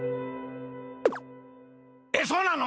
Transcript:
えっそうなの？